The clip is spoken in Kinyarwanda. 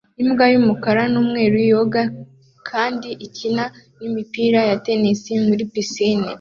Imbwa y'umukara n'umweru yoga kandi ikina n'imipira ya tennis muri pisine